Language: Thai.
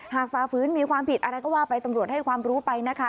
ฝ่าฝืนมีความผิดอะไรก็ว่าไปตำรวจให้ความรู้ไปนะคะ